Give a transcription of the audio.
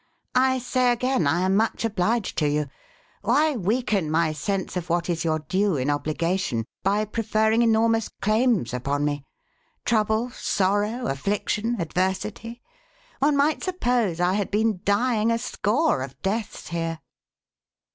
" I say again, I am much obliged to you. Why weaken my sense of what is your due in obligation, by preferring enormous claims upon me ? Trouble, sorrow, affliction, adversity ! One might suppose I had been dying a score of deaths here